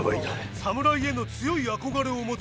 侍への強い憧れを持つイチ。